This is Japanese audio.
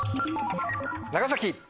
長崎！